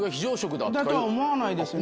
だとは思わないですね